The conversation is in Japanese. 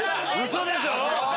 嘘でしょ？